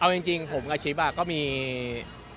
เอาจริงผมกับชิบนั่นแน่อีก